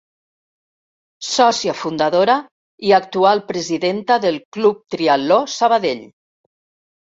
Sòcia fundadora i actual presidenta del Club Triatló Sabadell.